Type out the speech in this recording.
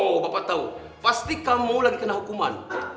oh bapak tahu pasti kamu lagi kena hukuman